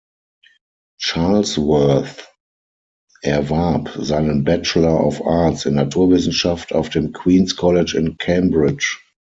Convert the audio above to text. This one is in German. Charlesworth erwarb seinen Bachelor of Arts in Naturwissenschaft auf dem Queens′ College in Cambridge.